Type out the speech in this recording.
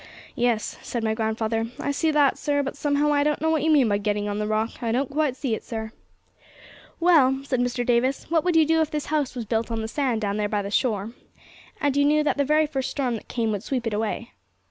'Yes,' said my grandfather, 'I see that, sir; but somehow I don't know what you mean by getting on the Rock; I don't quite see it, sir.' 'Well,' said Mr. Davis, 'what would you do if this house was built on the sand down there by the shore, and you knew that the very first storm that came would sweep it away?